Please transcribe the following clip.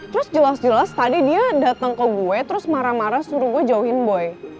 terus jelas jelas tadi dia datang ke gue terus marah marah suruh gue jauhin boy